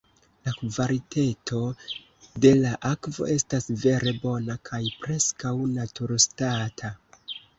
La kvaliteto de la akvo estas vere bona kaj preskaŭ naturstata.